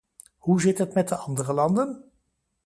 Hoe zit het met de andere landen?